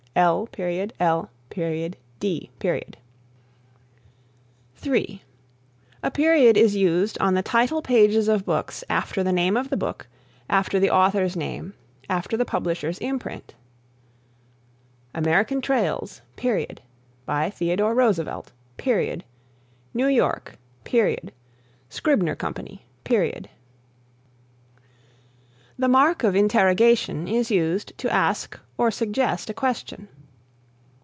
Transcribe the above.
L.L.D. (3) A period is used on the title pages of books after the name of the book, after the author's name, after the publisher's imprint: American Trails. By Theodore Roosevelt. New York. Scribner Company. The Mark of Interrogation is used to ask or suggest a question.